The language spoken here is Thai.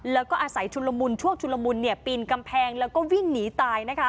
แล้วก็อาศัยชุนละมุนช่วงชุลมุนปีนกำแพงแล้วก็วิ่งหนีตาย